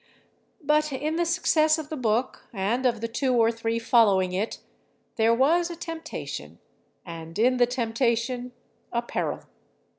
But in the success of the book and of the two or three following it there was a temptation, and in the temptation a peril.